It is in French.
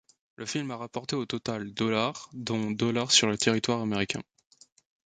Le film a rapporté au total $ dont $ sur le territoire américain.